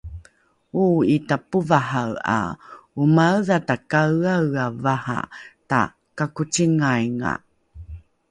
Oo'i tapovahae 'a omaedha ta kaeaea vaha ta kakocingainga?